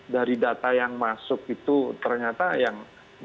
dari data yang masuk itu ternyata yang empat tujuh